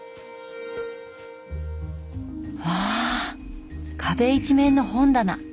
わあ壁一面の本棚。